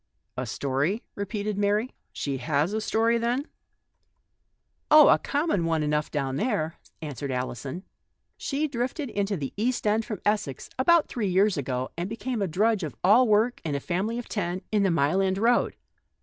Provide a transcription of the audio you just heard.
"A story," repeated Mary; "she has a stoiy then ?"" Oh ! a common one enough down there," answered Alison. "She drifted into the East End, from Essex, about three years ago, and is a country girl who got a place as drudge of all work in a family of ten, in the Mile End Road.